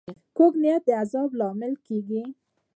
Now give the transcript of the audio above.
کوږ نیت د عذاب لامل کېږي